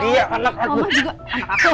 dia anak aku